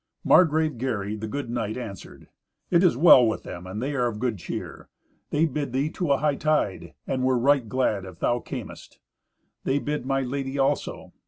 Margrave Gary, the good knight, answered, "It is well with them, and they are of good cheer. They bid thee to a hightide, and were right glad if thou camest. They bid my Lady also.